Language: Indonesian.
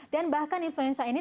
dan bahkan influenza ini